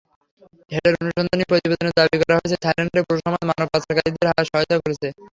হেডের অনুসন্ধানী প্রতিবেদনে দাবি করা হয়েছে, থাইল্যান্ডের পুরো সমাজ মানব পাচারকারীদের সহায়তা করছে।